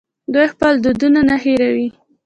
دوی خپل دودونه نه هیروي.